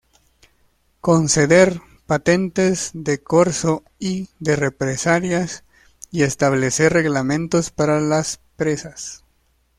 Conceder patentes de corso y de represalias, y establecer reglamentos para las presas".